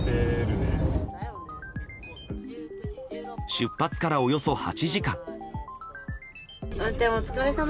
出発からおよそ８時間。